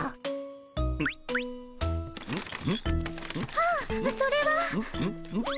あっそれは。